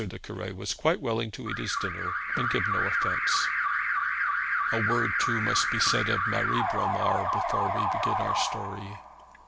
le Cure was quite willing to eat his dinner and give no offence. A word too must be said of Marie Bromar before we begin our story.